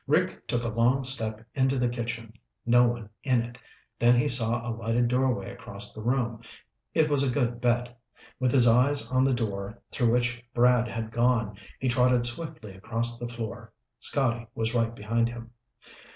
Rick took a long step into the kitchen. No one in it. Then he saw a lighted doorway across the room. It was a good bet. With his eyes on the door through which Brad had gone, he trotted swiftly across the floor. Scotty was right behind him.